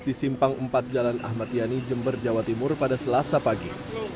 di simpang empat jalan ahmad yani jember jawa timur pada selasa pagi